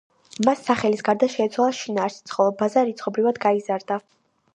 მას სახელის გარდა შეეცვალა შინაარსიც, ხოლო ბაზა რიცხობრივად გაიზარდა.